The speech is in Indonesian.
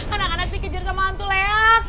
anak anak dikejar sama hantu leak